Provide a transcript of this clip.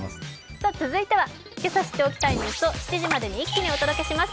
続いては、けさ知っておきたいニュースを７時まで一気にお届けします。